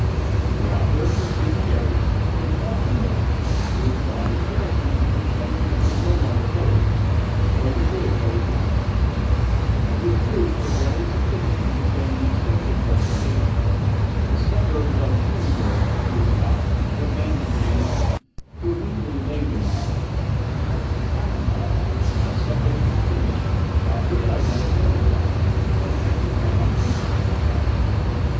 The outworks were soon carried, and Falkenberg, after withdrawing the garrisons from the points which he could no longer hold, destroyed the bridge over the Elbe. As his troops were barely sufficient to defend the extensive fortifications, the suburbs of Sudenburg and Neustadt were abandoned to the enemy, who immediately laid them in ashes. Pappenheim, now separated from Tilly, crossed the Elbe at Schonenbeck, and attacked the town from the opposite side.